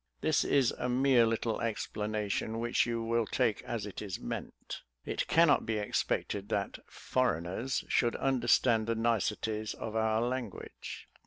This is a mere little explanation, which you will take as it is meant. It cannot be expected that 'foreigners' should understand the niceties of our language."